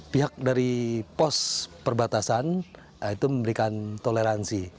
pihak dari pos perbatasan itu memberikan toleransi